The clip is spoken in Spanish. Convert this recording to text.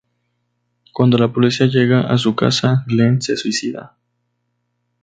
Cuando la policía llega a su casa, Glenn se suicida.